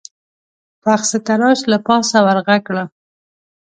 پخڅه تراش له پاسه ور غږ کړل: